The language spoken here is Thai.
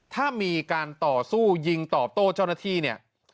ถ้ามีการต่อสู้ยิงตอบโต้เจ้าหน้าที่เนี่ย